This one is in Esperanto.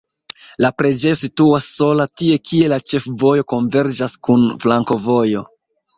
La preĝejo situas sola tie, kie la ĉefvojo konverĝas kun flankovojo.